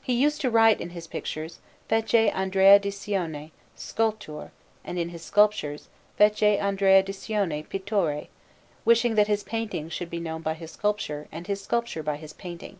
He used to write in his pictures: FECE ANDREA DI CIONE, SCULTORE; and in his sculptures: FECE ANDREA DI CIONE, PITTORE; wishing that his painting should be known by his sculpture, and his sculpture by his painting.